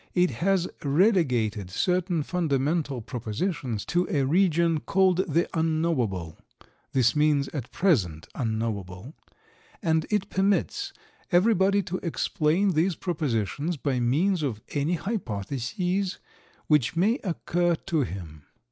It has relegated certain fundamental propositions to a region called "the Unknowable" (this means at present unknowable), and it permits everybody to explain these propositions by means of any hypotheses which may occur to him.